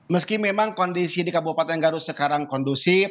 meski memang kondisi di kabupaten garut sekarang kondusif